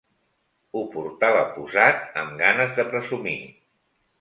Ho portava posat amb ganes de presumir.